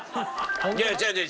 いや違う違う。